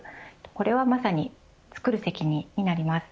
これはまさに作る責任になります。